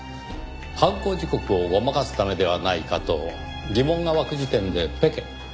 犯行時刻をごまかすためではないかと疑問が湧く時点でペケ。